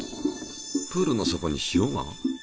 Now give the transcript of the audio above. プールの底に塩が。